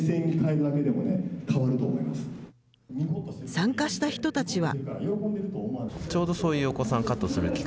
参加した人たちは。